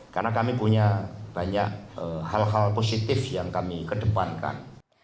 karena kami punya banyak hal hal positif yang kami kedepankan